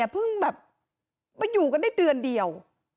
เพิ่งแบบมาอยู่กันได้เดือนเดียว